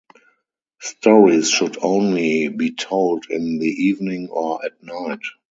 Stories should only be told in the evening or at night.